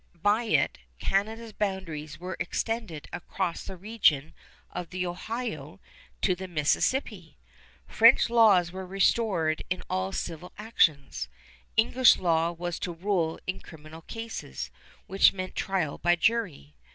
By it Canada's boundaries were extended across the region of the Ohio to the Mississippi. French laws were restored in all civil actions. English law was to rule in criminal cases, which meant trial by jury.